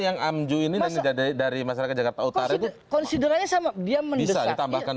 yang amju ini dari masyarakat jakarta utara itu konsideranya sama dia menyesal tambahkan